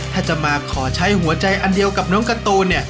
ถ้าจะมาขอใช้หัวใจอันเดียวกับน้องการ์ตูนเนี่ย